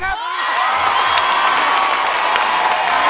ได้ครับ